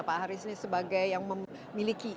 pak haris ini sebagai yang memiliki